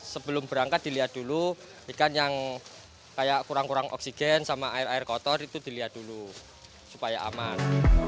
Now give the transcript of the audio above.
sebelum berangkat dilihat dulu ikan yang kayak kurang kurang oksigen sama air air kotor itu dilihat dulu supaya aman